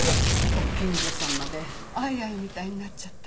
ご近所さんまでアイアイみたいになっちゃって。